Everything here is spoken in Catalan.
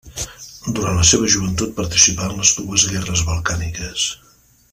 Durant la seva joventut participà en les dues guerres balcàniques.